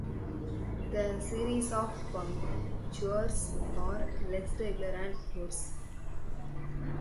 The series of punctures are less regular and coarse.